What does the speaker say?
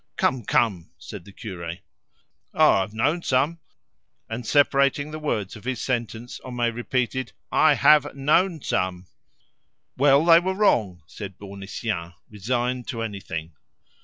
"Come, come!" said the cure. "Ah! I've known some!" And separating the words of his sentence, Homais repeated, "I have known some!" "Well, they were wrong," said Bournisien, resigned to anything.